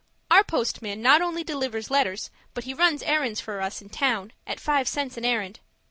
Our postman not only delivers letters, but he runs errands for us in town, at five cents an errand.